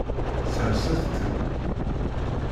Serset-ten.